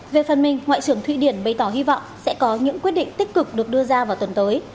về phần mình ngoại trưởng thụy điển bày tỏ hy vọng sẽ có những quyết định tích cực được đưa ra vào tuần tới